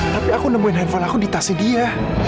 tapi aku nemuin handphone aku di tasnya dia